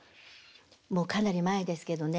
もうかなり前ですけどね